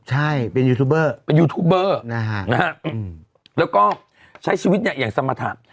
ใช่เป็นยูทูบเบอร์เป็นยูทูบเบอร์นะฮะแล้วก็ใช้ชีวิตเนี่ยอย่างสมรรถะ